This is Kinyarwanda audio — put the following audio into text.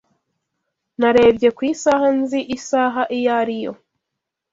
Narebye ku isaha nzi isaha iyo ari yo.